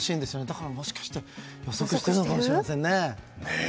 だから、もしかしたら予測していたかもしれませんね。